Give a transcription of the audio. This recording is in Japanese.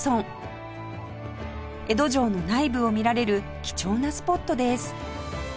江戸城の内部を見られる貴重なスポットです